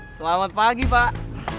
selamat pagi pak